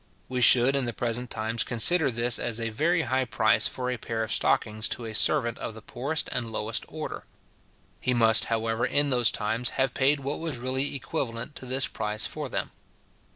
We should in the present times consider this as a very high price for a pair of stockings to a servant of the poorest and lowest order. He must however, in those times, have paid what was really equivalent to this price for them.